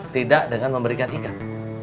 tidak dengan memberikan ikan